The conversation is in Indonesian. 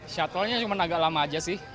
shuttle nya cuma agak lama aja sih